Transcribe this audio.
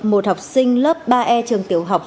một học sinh lớp ba e trường tiểu học